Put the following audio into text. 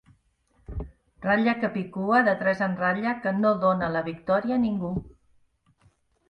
Ratlla capicua de tres en ratlla que no dóna la victòria a ningú.